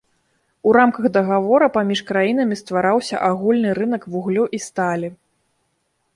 У рамках дагавора паміж краінамі ствараўся агульны рынак вуглю і сталі.